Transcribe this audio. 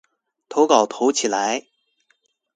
投稿投起來